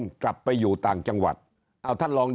ตัวเลขการแพร่กระจายในต่างจังหวัดมีอัตราที่สูงขึ้น